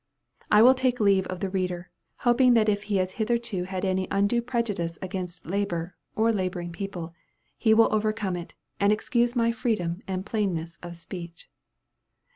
I will take leave of the reader, hoping that if he has hitherto had any undue prejudice against labor, or laboring people, he will overcome it, and excuse my freedom and plainness of speech.